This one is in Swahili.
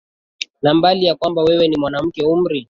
na mbali ya kwamba wewe ni mwanamke umri